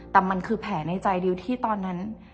แต่มันคือแผลในใจดิวที่ตอนนั้น